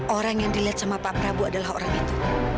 orang yang dilihat sama pak prabowo adalah orang itu